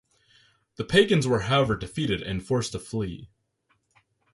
The pagans were however defeated and forced to flee.